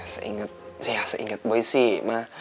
seinget saya seinget boy sih ma